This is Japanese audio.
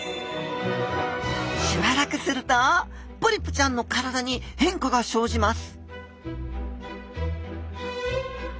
しばらくするとポリプちゃんの体に変化が生じます